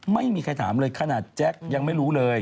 ไม่มีใครถามเลยขนาดแจ๊คยังไม่รู้เลย